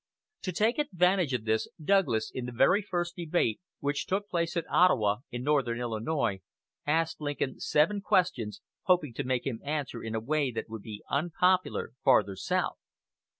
To take advantage of this, Douglas, in the very first debate, which took place at Ottawa, in northern Illinois, asked Lincoln seven questions, hoping to make him answer in a way that would be unpopular farther south.